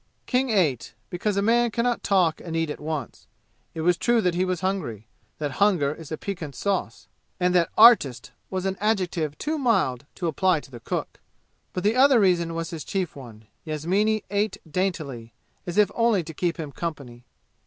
King ate, because a man can not talk and eat at once. It was true that he was hungry, that hunger is a piquant sauce, and that artist was an adjective too mild to apply to the cook. But the other reason was his chief one. Yasmini ate daintily, as if only to keep him company.